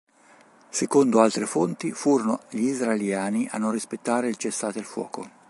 Secondo altre fonti furono gli israeliani a non rispettare il cessate il fuoco.